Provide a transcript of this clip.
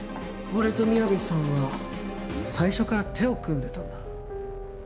俺と宮部さんは最初から手を組んでたんだ。